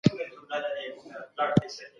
ولې مختلف قومونه یو له بل سره توپیر لري؟